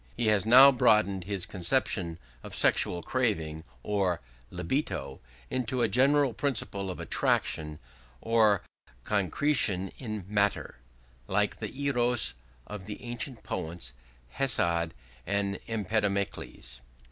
He has now broadened his conception of sexual craving or libido into a general principle of attraction or concretion in matter, like the Eros of the ancient poets Hesiod and Empedocles.